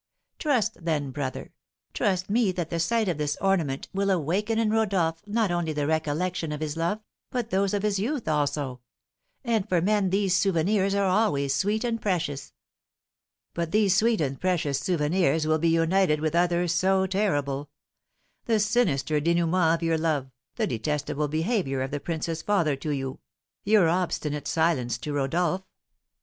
Thus, then, brother, trust me that the sight of this ornament will awaken in Rodolph not only the recollection of his love, but those of his youth also; and for men these souvenirs are always sweet and precious." "But these sweet and precious souvenirs will be united with others so terrible: the sinister dénouement of your love, the detestable behaviour of the prince's father to you, your obstinate silence to Rodolph.